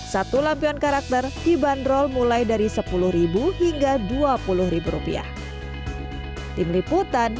satu lampion karakter dibanderol mulai dari rp sepuluh hingga rp dua puluh